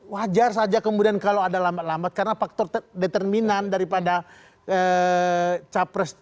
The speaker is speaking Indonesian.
wajar saja kemudian kalau ada lambat lambat karena faktor determinan daripada capres